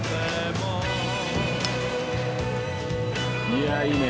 いやあいいね。